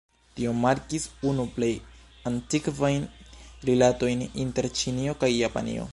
Tio markis unu plej antikvajn rilatojn inter Ĉinio kaj Japanio.